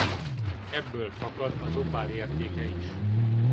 Ebből fakad az opál értéke is.